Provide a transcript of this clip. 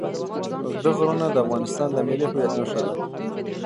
اوږده غرونه د افغانستان د ملي هویت نښه ده.